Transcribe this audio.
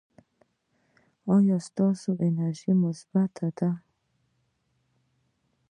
ایا ستاسو انرژي مثبت ده؟